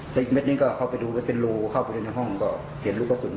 และอีกเม็ดนี้ก็เข้าไปดูมันเป็นรูเข้าไปดูในห้องก็เห็นลูกปืน